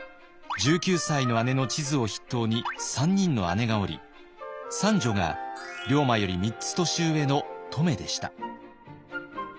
１９歳の姉の千鶴を筆頭に３人の姉がおり三女が龍馬より３つ年上の乙女でした。